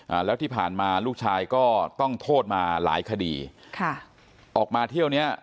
อ่าแล้วที่ผ่านมาลูกชายก็ต้องโทษมาหลายคดีค่ะออกมาเที่ยวเนี้ย